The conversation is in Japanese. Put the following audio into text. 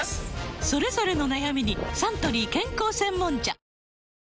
それぞれの悩みにサントリー健康専門茶